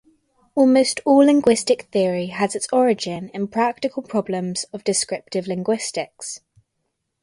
Almost all linguistic theory has its origin in practical problems of descriptive linguistics.